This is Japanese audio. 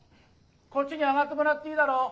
こっちに上がってもらっていいだろう？